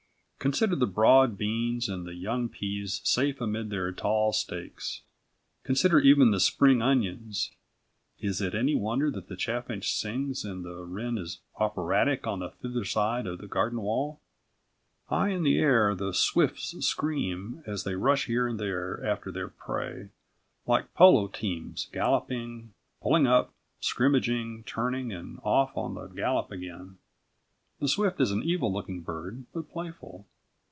Consider the broad beans and the young peas safe amid their tall stakes. Consider even the spring onions. Is it any wonder that the chaffinch sings and the wren is operatic on the thither side of the garden wall? High in the air the swifts scream, as they rush here and there after their prey, like polo teams galloping, pulling up, scrimmaging, turning, and off on the gallop again. The swift is an evil looking bird, but playful.